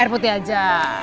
air putih aja